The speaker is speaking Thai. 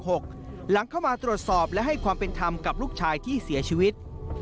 หลังเข้ามาตรวจสอบและให้ความเป็นธรรมกับลูกชายที่เสียชีวิต